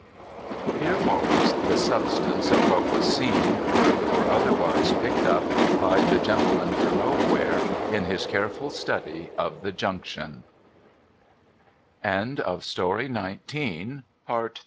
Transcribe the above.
Here follows the substance of what was seen, heard, or OTHERWISE PICKED UP, BY THE GeNTLEMAN FOR NOWHERE, IN HIS CAREFUL STUDY OF THE JUNCTIO